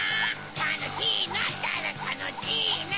たのしいなったらたのしいな！